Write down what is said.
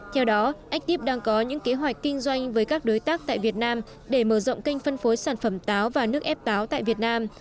theo đó aktip đang có những kế hoạch kinh doanh với các đối tác tại việt nam để mở rộng kênh phân phối sản phẩm táo và nước ép báo tại việt nam